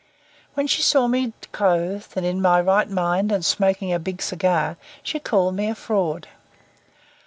When she saw me clothed and in my right mind and smoking a big cigar, she called me a fraud.